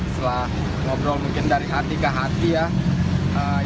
setelah ngobrol mungkin dari hati ke hati ya